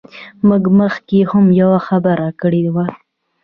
موږ مخکې هم یوه خبره کړې وه.